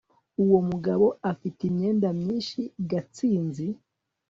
uwo mugabo afite imyenda myinshi. gatsinzi